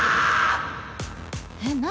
えっ何？